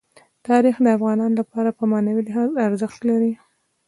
تاریخ د افغانانو لپاره په معنوي لحاظ ارزښت لري.